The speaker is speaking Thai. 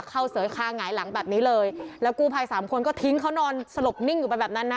เสยคาหงายหลังแบบนี้เลยแล้วกู้ภัยสามคนก็ทิ้งเขานอนสลบนิ่งอยู่ไปแบบนั้นนะ